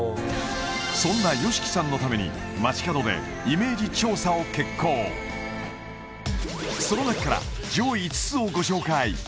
そんなＹＯＳＨＩＫＩさんのために街角でイメージ調査を決行その中から上位５つをご紹介